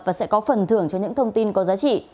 và sẽ có phần thưởng cho những thông tin có giá trị